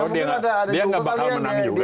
dia tidak akan menang juga